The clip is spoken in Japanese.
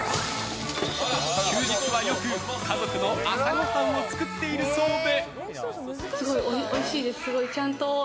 休日はよく家族の朝ごはんを作っているそうで。